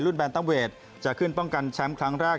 แบนเตอร์เวทจะขึ้นป้องกันแชมป์ครั้งแรก